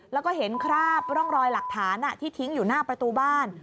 แล้วก็เห็นคราบร่องรอยหลักฐานที่ทิ้งอยู่หน้าประตูบ้าน